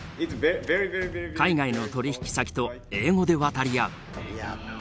海外の取引先と英語で渡り合う。